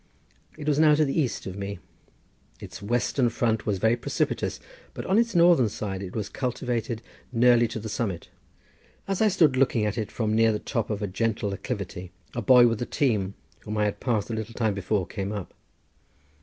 It was now to the east of me. Its western front was very precipitous, but on its northern side it was cultivated nearly to the summit. As I stood looking at it from near the top of a gentle acclivity a boy with a team, whom I had passed a little time before, came up.